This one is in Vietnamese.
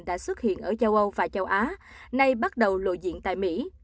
đã xuất hiện ở châu âu và châu á nay bắt đầu lộ diện tại mỹ